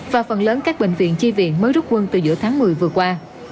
và phần lớn các bệnh viện chi viện mới rút quân từ giữa tháng một mươi vừa qua